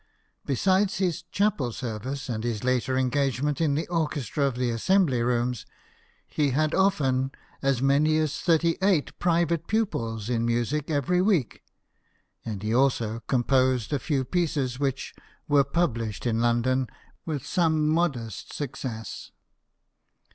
Besides his chapel services, and his later engagement in the orchestra of the Assembly Rooms, he had often as many as thirty eight private pupils in music every week ; and he also composed a few pieces, which were published in London with some modest success.